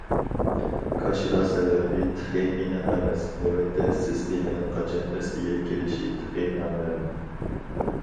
كاشىلا سەۋەبى تېخى ئېنىق ئەمەس، نۆۋەتتە سىستېمىنىڭ قاچان ئەسلىگە كېلىشى تېخى نامەلۇم.